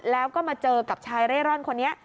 แล้วก็มาเจอกับชายเร่ร่อนคนนี้